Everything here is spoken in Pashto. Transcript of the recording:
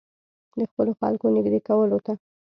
د خپلو خلکو نېږدې کولو ته.